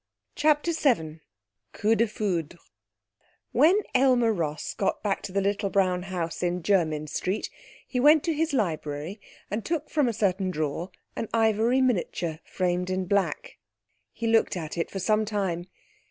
CHAPTER VII Coup de Foudre When Aylmer Ross got back to the little brown house in Jermyn Street he went to his library, and took from a certain drawer an ivory miniature framed in black. He looked at it for some time.